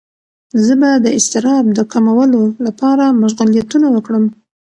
زه به د اضطراب د کمولو لپاره مشغولیتونه وکړم.